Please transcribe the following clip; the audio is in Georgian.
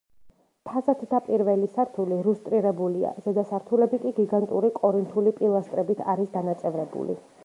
ფასადთა პირველი სართული რუსტირებულია, ზედა სართულები კი გიგანტური კორინთული პილასტრებით არის დანაწევრებული.